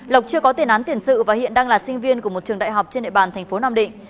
lộc chưa có tiền án tiền sự và hiện đang là sinh viên của một trường đại học trên địa bàn thành phố nam định